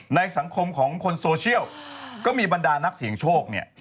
ในสังคมของคนโซเชียลก็มีบรรดานักเสี่ยงโชคเนี่ย